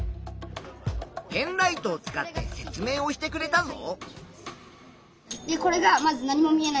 ペンライトを使って説明をしてくれたぞ。